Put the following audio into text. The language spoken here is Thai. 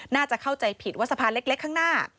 น่าจะเข้าใจผิดว่าสะพานเล็กข้างหน้า